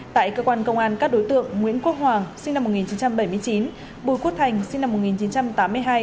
tại cơ quan công an các đối tượng nguyễn quốc hoàng sinh năm một nghìn chín trăm bảy mươi chín bùi quốc thành sinh năm một nghìn chín trăm tám mươi hai